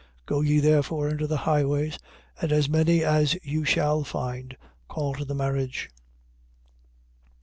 22:9. Go ye therefore into the highways; and as many as you shall find, call to the marriage.